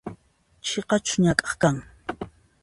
Chiqachus ñak'aq kan?